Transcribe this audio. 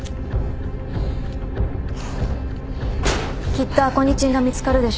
きっとアコニチンが見つかるでしょう。